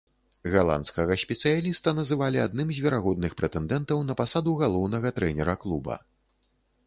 Галандскага спецыяліста называлі адным з верагодных прэтэндэнтаў на пасаду галоўнага трэнера клуба.